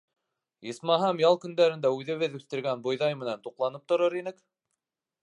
Исмаһам, ял көндәрендә үҙебеҙ үҫтергән бойҙай менән туҡланып торор инек.